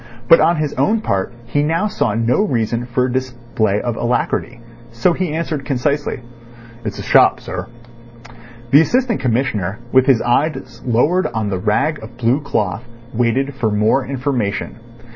But, on his own part, he now saw no reason for a display of alacrity. So he answered concisely: "It's a shop, sir." The Assistant Commissioner, with his eyes lowered on the rag of blue cloth, waited for more information.